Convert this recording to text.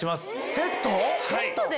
セットで？